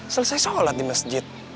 selesai sholat di masjid